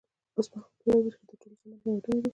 اوسمهال په لویه وچه کې تر ټولو شتمن هېوادونه دي.